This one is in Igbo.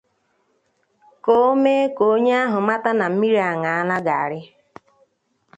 ka o mee ka onye ahụ mata na mmiri ańaala garị